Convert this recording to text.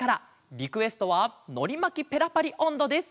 リクエストは「のりまきペラパリおんど」です。